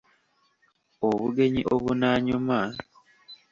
Obugenyi obunaanyuma, ……………..